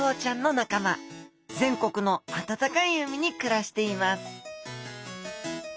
全国の温かい海に暮らしています